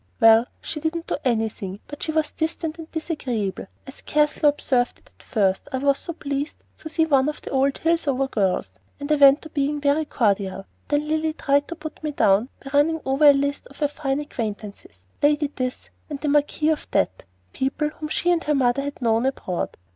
"Well, she didn't do anything, but she was distant and disagreeable. I scarcely observed it at first, I was so pleased to see one of the old Hillsover girls; and I went on being very cordial. Then Lilly tried to put me down by running over a list of her fine acquaintances, Lady this, and the Marquis of that, people whom she and her mother had known abroad.